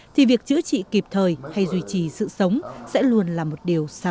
thì việc chữa trị kịp thời hay duy trì sự sống sẽ luôn là một điều sáng